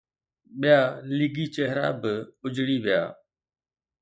ٻيا ليگي چهرا به اجڙي ويا.